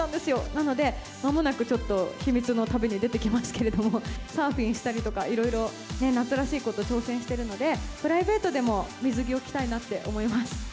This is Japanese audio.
なので、まもなくちょっと秘密の旅に出てきますけれども、サーフィンしたりとか、いろいろ夏らしいこと挑戦してるので、プライベートでも水着を着たいなって思います。